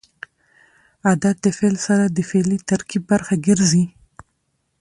عدد د فعل سره د فعلي ترکیب برخه ګرځي.